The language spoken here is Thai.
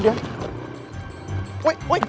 เดี๋ยว